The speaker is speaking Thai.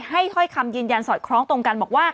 ถ้อยคำยืนยันสอดคล้องตรงกันบอกว่า